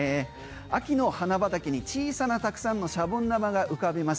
秋の花畑に小さなたくさんのシャボン玉が浮かびます。